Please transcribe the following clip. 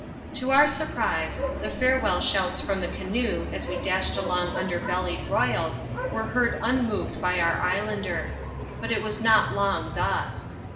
To our surprise, the farewell shouts from the canoe, as w< dashed along under bellied royals, were heard unmoved bj our islander ; but it was not long thus.